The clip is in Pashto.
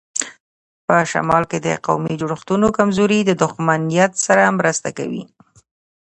په شمال کې د قومي جوړښتونو کمزوري د دښمن نیت سره مرسته کوي.